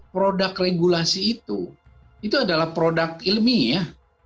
produk regulasi itu itu adalah produk ilmiah